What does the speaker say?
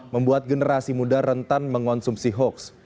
membuat generasi muda rentan mengonsumsi hoax